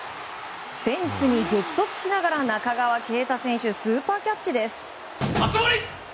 フェンスに激突しながら中川圭太選手スーパーキャッチです！